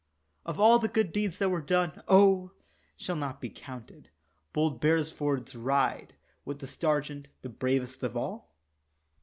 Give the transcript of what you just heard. Of all the good deeds that were done, oh! shall not be counted Bold Beresford's ride with the Sergeant the bravest of all?